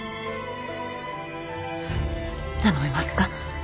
頼めますか？